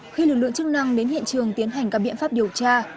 khi lực lượng chức năng đến hiện trường tiến hành các biện pháp điều tra